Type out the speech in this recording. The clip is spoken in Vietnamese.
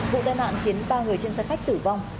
vụ tai nạn khiến ba người trên xe khách tử vong